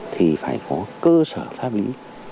thì phải có cơ sở pháp lý